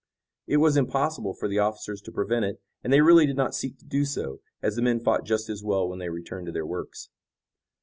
It was impossible for the officers to prevent it, and they really did not seek to do so, as the men fought just as well when they returned to their works.